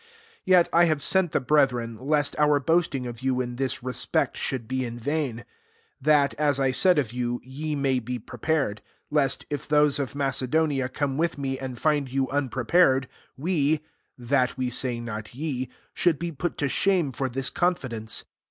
3 Yet I htfc sent the brethren, lest oor boasting of you in this res pect, should be in vain ; that, as I said of you J ye may be pre|>a^ ed : 4 lest, if those of Macedo* nia, come with me, and find yo« unprepared, we (that we say not ye) should be put to shane for this confidence.